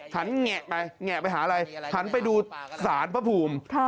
แงะไปแงะไปหาอะไรหันไปดูสารพระภูมิ